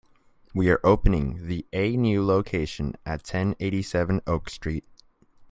We are opening the a new location at ten eighty-seven Oak Street.